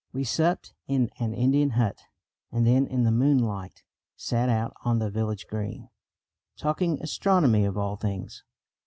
We supped in an Indian hut, and then in the moonlight sat out on the village green, talking astronomy, of all things.